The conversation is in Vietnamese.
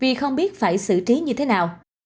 vì không biết phải xử trí như thế nào